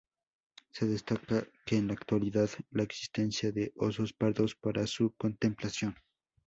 Se destaca que en la actualidad la existencia de osos pardos, para su contemplación.